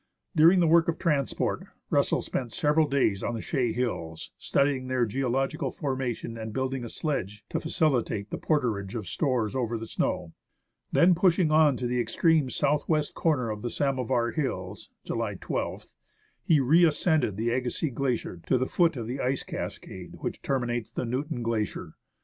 During the work of transport, Russell spent several days on the Chaix Hills, studying their geological formation and building a sledge to facilitate the porterage of stores over the snow. Then pushing on to the extreme south west corner of the Samovar Hills (July 12th), he re ascended the Agassiz Glacier to the foot of the ice cascade which terminates the Newton Glacier.